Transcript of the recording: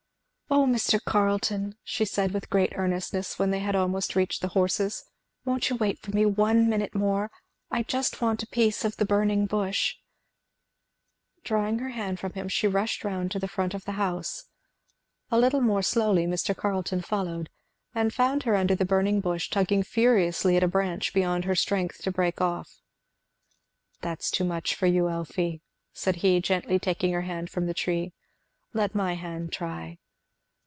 "O Mr. Carleton!" she said with great earnestness when they had almost reached the horses, "won't you wait for me one minute more? I just want a piece of the burning bush " [Illustration: She stood back and watched.] Drawing her hand from him she rushed round to the front of the house. A little more slowly Mr. Carleton followed, and found her under the burning bush, tugging furiously at a branch beyond her strength to break off. "That's too much for you, Elfie," said he, gently taking her hand from the tree, "let my hand try."